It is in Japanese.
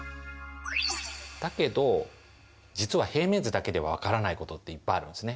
だけど実は平面図だけでは分からないことっていっぱいあるんですね。